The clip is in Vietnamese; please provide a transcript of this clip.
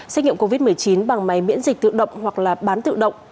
xét nghiệm covid một mươi chín bằng máy miễn dịch tự động hoặc là bán tự động